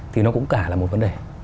thì nó cũng cả là một vấn đề